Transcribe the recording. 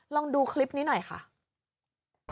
ลองดูคลิปนี้หน่อยค่ะ